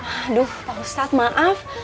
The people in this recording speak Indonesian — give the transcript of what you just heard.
aduh pak ustadz maaf